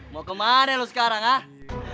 mau kemana loh sekarang ah